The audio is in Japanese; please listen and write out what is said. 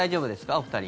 お二人。